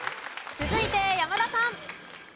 続いて山田さん。